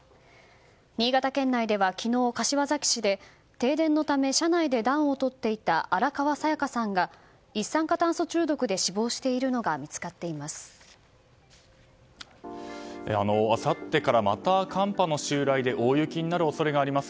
新潟県内では昨日、柏崎市で停電のため車内で暖をとっていた荒川紗夜嘉さんが一酸化炭素中毒で死亡しているのが見つかっています。